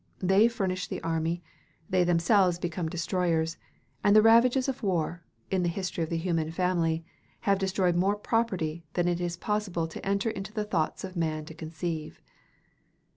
They furnish the army, they themselves become destroyers; and the ravages of war, in the history of the human family, have destroyed more property than it is possible to enter into the thoughts of men to conceive.